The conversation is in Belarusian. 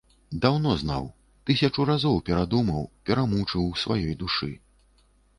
Даўно знаў, тысячу разоў перадумаў, перамучыў у сваёй душы.